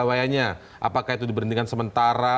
atau diberhentikan sementara atau diberhentikan sementara